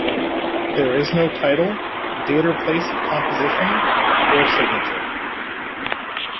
There is no title, date or place of composition, or signature.